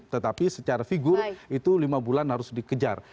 tetapi secara figur itu lima bulan harus dikejar